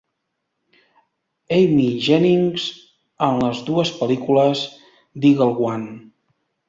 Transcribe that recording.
Amy Jennings en les dues pel·lícules d'"Eagle One".